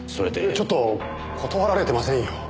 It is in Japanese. ちょっと断られてませんよ。